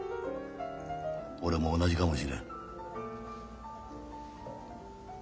俺も同じかもしれん。